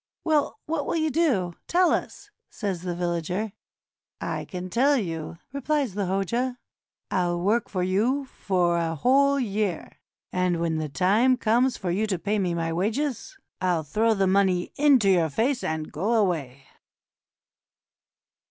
"Well, what will you do? Tell us," says the villager. "I'll tell you," replies the Hoja; "I'll work for you for a whole year, and when the time comes for you to pay me my wages, I'll throw the money into your faces and go away."